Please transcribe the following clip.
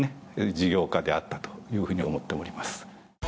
事業家であったというふうに思っております。